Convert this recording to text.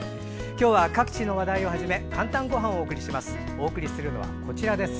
今日は各地の話題をはじめ「かんたんごはん」お送りします。